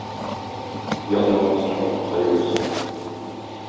Язмаган соңрак Тукаебыз.